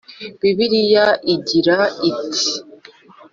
Bibiliya igira iti